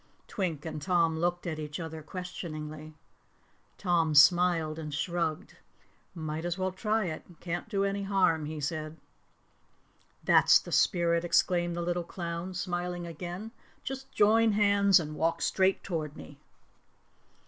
Twink and Tom looked at each other questioningly. Tom smiled and shrugged. "Might as well try it can't do any harm," he said. "That's the spirit!" exclaimed the little clown, smiling again. "Just join hands and walk straight toward me."